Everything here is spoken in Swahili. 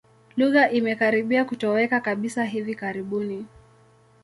Lugha imekaribia kutoweka kabisa hivi karibuni.